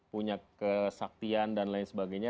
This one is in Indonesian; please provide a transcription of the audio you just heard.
punya kesaktian dan lain sebagainya